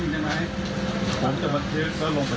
ละอีกไหน